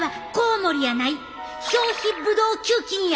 表皮ブドウ球菌や！